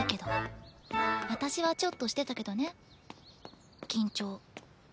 私はちょっとしてたけどね緊張。